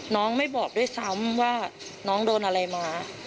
น้องไม่บอกด้วยซ้ำว่าน้องโดนอะไรมา